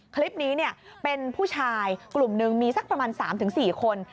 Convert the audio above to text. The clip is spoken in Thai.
คลิปนี้เป็นผู้ชายกลุ่มหนึ่งมีสักประมาณ๓๔คน